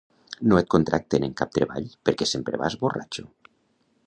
No et contracten en cap treball perquè sempre vas borratxo